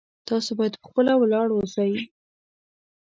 تاسو باید په خپله ولاړ اوسئ